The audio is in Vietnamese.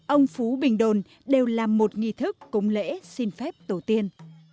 ông phú bình đồn đều làm một nghi thức cúng lễ xin phép tổ tiên